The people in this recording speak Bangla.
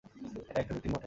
এটা একটা রুটিন বটে!